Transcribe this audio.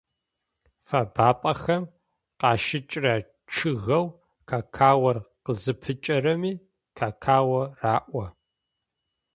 Фэбапӏэхэм къащыкӏрэ чъыгэу какаор къызыпыкӏэрэми какао раӏо.